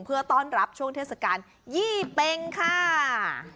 เพื่อต้อนรับช่วงเทศกาลยี่เป็งค่ะ